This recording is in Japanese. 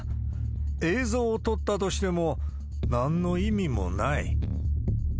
映像を撮ったとしても、なんの意味もない。